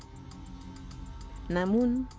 menjadi seorang orang tua